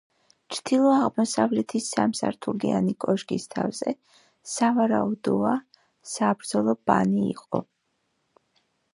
ჩრდილო-აღმოსავლეთის სამსართულიანი კოშკის თავზე, სავარაუდოა, საბრძოლო ბანი იყო.